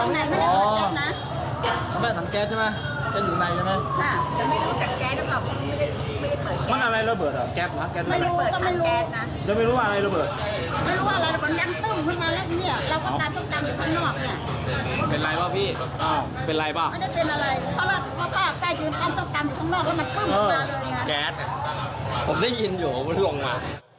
ไม่เป็นไรเพราะว่าพ่อชายก็อยู่ในข้างออกแล้วมันกลึ่งมาเลยแก๊สผมได้ยินอยู่ที่ลงมา